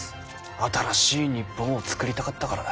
新しい日本を作りたかったからだ。